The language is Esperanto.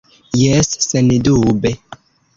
Jes, sendube.